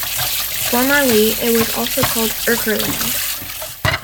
Formerly, it was also called "Urker Land".